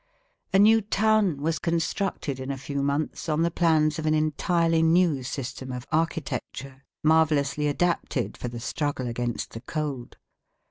A new town was constructed in a few months on the plans of an entirely new system of architecture, marvellously adapted for the struggle against the cold.